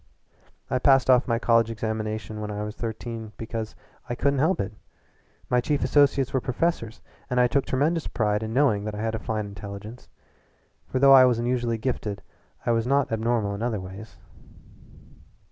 "I passed off my college examinations when I was thirteen because I couldn't help it. My chief associates were professors, and I took a tremendous pride in knowing that I had a fine intelligence, for though I was unusually gifted I was not abnormal in other ways.